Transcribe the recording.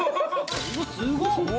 すごっ！